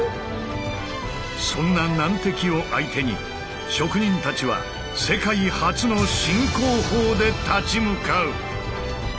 そんな難敵を相手に職人たちは「世界初の新工法」で立ち向かう！